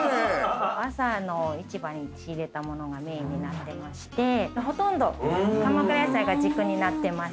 朝の市場に仕入れたものがメインになってましてほとんど鎌倉野菜が軸になってます。